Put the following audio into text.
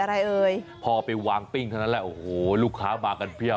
อะไรเอ่ยพอไปวางปิ้งเท่านั้นแหละโอ้โหลูกค้ามากันเพียบ